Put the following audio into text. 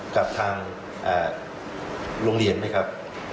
กับทางโรงเรียนไหมครับ